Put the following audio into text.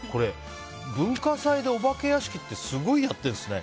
文化祭でお化け屋敷ってすごいやっているんですね。